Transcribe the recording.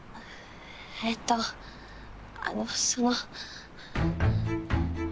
えっとあのその。